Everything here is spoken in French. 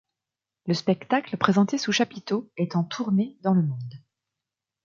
Le spectacle, présenté sous chapiteau est en tournée dans le monde.